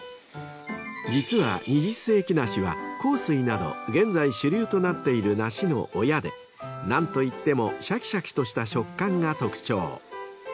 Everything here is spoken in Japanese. ［実は二十世紀梨は幸水など現在主流となっている梨の親で何といってもしゃきしゃきとした食感が特徴］